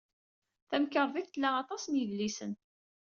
Tamkarḍit tla aṭas n yidlisen.